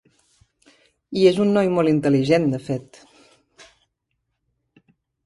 I és un noi molt intel·ligent, de fet.